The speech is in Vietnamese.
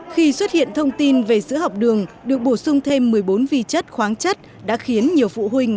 khi xuất hiện thông tin về sữa học đường được bổ sung thêm một mươi bốn vi chất khoáng chất đã khiến nhiều phụ huynh